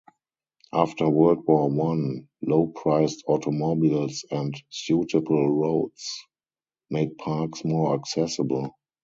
After World War One, low priced automobiles and suitable roads made parks more accessible.